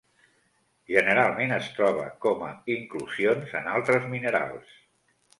Generalment es troba com a inclusions en altres minerals.